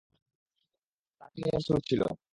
তার একটা টিনের স্যুট ছিল।